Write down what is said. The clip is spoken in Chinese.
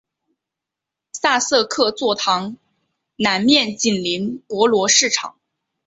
萨瑟克座堂南面紧邻博罗市场。